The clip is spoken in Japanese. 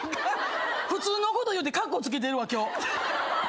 普通のこと言ってカッコつけてるわ今日。